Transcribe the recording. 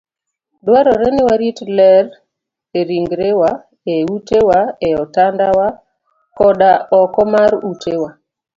Dwarore ni warit ler e ringrewa, e utewa, e otandawa, koda oko mar utewa.